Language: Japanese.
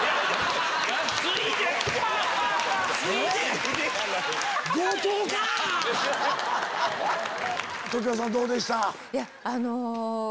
ついで⁉常盤さんどうでした？